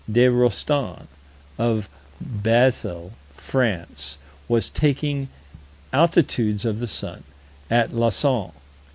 de Rostan, of Basle, France, was taking altitudes of the sun, at Lausanne.